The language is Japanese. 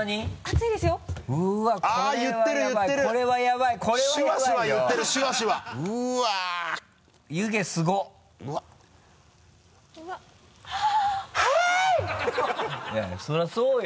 いやいやそれはそうよ。